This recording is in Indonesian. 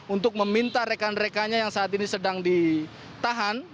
untuk meminta rekan rekannya yang saat ini sedang ditahan